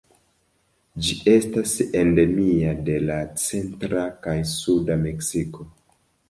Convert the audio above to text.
Ĝi estas endemia de la centra kaj suda Meksiko.